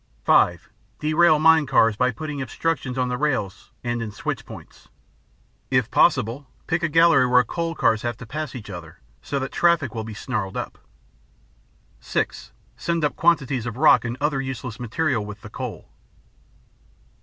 (5) Derail mine cars by putting obstructions on the rails and in switch points. If possible, pick a gallery where coal cars have to pass each other, so that traffic will be snarled up. (6) Send up quantities of rock and other useless material with the coal.